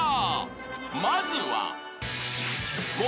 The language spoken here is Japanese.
［まずは］